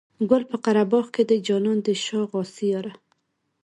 ګل پر قره باغ دی جانانه د شا غاسي یاره.